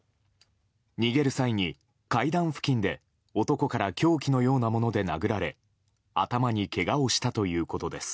逃げる際に階段付近で男から凶器のようなもので殴られ、頭にけがをしたということです。